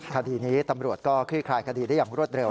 คดีนี้ตำรวจก็คลี่คลายคดีได้อย่างรวดเร็